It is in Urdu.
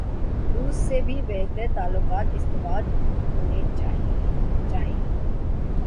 روس سے بھی بہتر تعلقات استوار ہونے چائیں۔